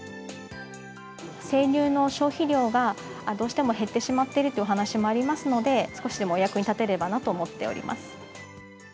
生乳の消費量がどうしても減ってしまっているというお話もありますので、少しでもお役に立てればなと思っております。